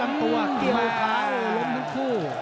ล้มทั้งคู่